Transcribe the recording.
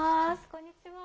こんにちは。